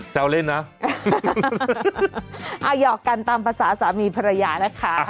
แซวเล่นนะหยอกกันตามภาษาสามีภรรยานะคะ